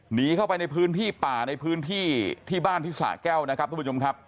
หนีเข้าไปในพื้นที่ป่าในพื้นที่ที่บ้านที่สะแก้วนะครับทุกผู้ชมครับ